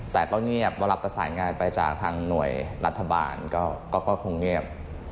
แต่ก็เงียบต้องรับประสาทธิบนาคารไปจากทางหน่วยรัฐบาลก็คงเงียบ